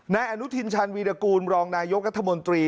ในอนุทินชาญวีรากูลรองนายกรรภ์รัฐมนตรี